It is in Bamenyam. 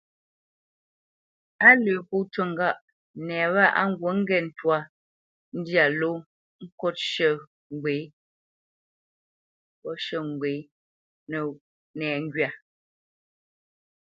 A lə́ pó cû ŋgâʼ nɛ wâ á ŋgǔt ŋgê ntwá ndyâ ló kot shʉ̂ ŋgwě ŋgop nɛŋgywa,